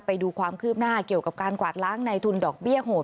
ไปดูความคืบหน้าเกี่ยวกับการกวาดล้างในทุนดอกเบี้ยโหด